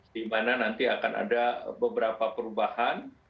dimana nanti akan ada beberapa perubahan